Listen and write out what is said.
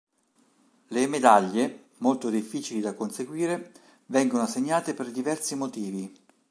Le "Medaglie", molto difficili da conseguire, vengono assegnate per diversi motivi.